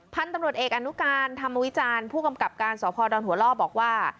พันธุ์ตำรวจเอกอนุการธรรมวิจารณ์ผู้กำกับการสพดอนหัวล่อบอกว่า